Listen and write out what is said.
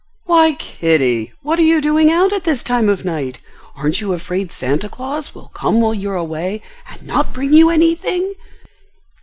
"Why, Kitty, what are you doing out at this time of night? Aren't you afraid Santa Claus will come while you are away, and not bring you anything?